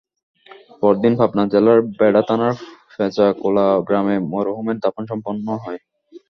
পরদিন পাবনা জেলার বেড়া থানার পেঁচাকোলা গ্রামে মরহুমের দাফন সম্পন্ন হয়।